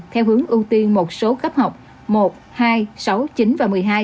theo hướng ưu tiên một số cấp học một hai sáu chín và một mươi hai